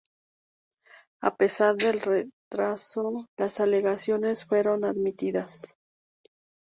A pesar del retraso, las alegaciones fueron admitidas.